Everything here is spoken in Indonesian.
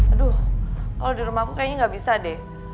aduh kalau di rumah aku kayaknya nggak bisa deh